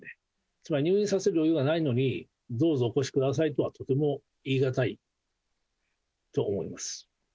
つまり入院する余裕がないのに、どうぞお越しくださいとはとても言い難いと思います。